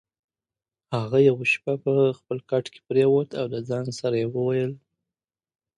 هغه یوه شپه په خپل کټ کې پرېوت او د ځان سره یې وویل: